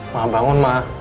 ma bangun ma